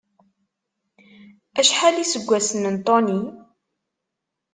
Acḥal iseggasen n Tony?